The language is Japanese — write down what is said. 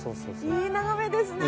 いい眺めですね。